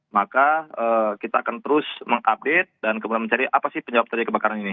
maka kita akan terus mengupdate dan kemudian mencari apa sih penyebab terjadi kebakaran ini